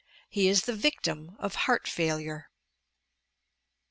He is the victim of "heart failure."